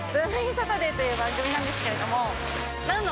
サタデーという番組なんですけれども。